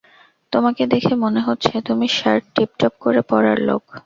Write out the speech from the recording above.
তোমাকে দেখে মনে হচ্ছে তুমি শার্ট টিপটপ করে পরার লোক।